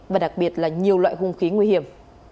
và đặc biệt là nhiều loại hung khí nguy hiểm